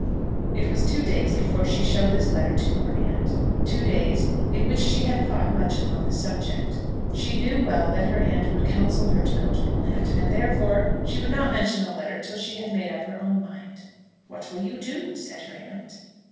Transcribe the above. It was two days before she showed this letter to her aunt two days in which she had thought much upon the subject. She knew well that her aunt would counsel her to go to Bullhampton, and, therefore, she would not mention the letter till she had made up her own mind. "What will you do?" said her aunt.